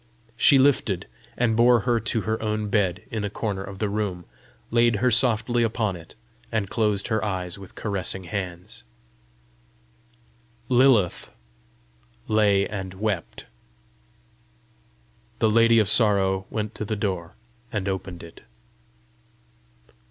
She lifted, and bore her to her own bed in a corner of the room, laid her softly upon it, and closed her eyes with caressing hands. Lilith lay and wept. The Lady of Sorrow went to the door and opened it.